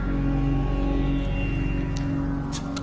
ちょっと。